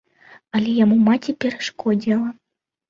Але яму маці перашкодзіла.